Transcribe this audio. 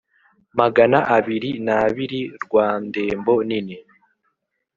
magana abiri n'abiri rwa ndembo nini.